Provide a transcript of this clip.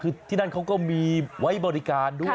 คือที่นั่นเขาก็มีไว้บริการด้วย